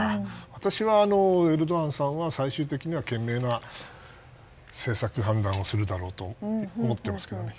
私はエルドアンさんは最終的には賢明な政策判断をするだろうと思ってますけどね。